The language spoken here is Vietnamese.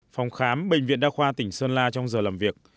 phòng khám bệnh viện đa khoa tỉnh sơn la trong giờ làm việc